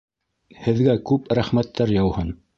Һеҙгә күп рәхмәттәр яуһын.